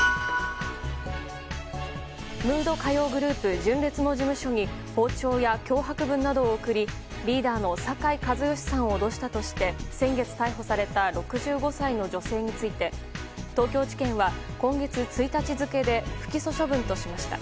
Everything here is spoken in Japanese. ムード歌謡グループ純烈の事務所に包丁や脅迫文などを送りリーダーの酒井一圭さんを脅したとして先月逮捕された６５歳の女性について東京地検は今月１日付で不起訴処分としました。